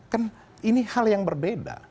kan ini hal yang berbeda